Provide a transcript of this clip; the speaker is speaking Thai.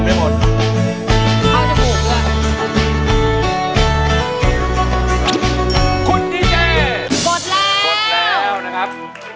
กดแล้วนะครับ